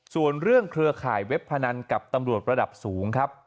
ส่วนเรื่องเครือข่ายเว็บพนันกับตำรวจระดับสูงครับ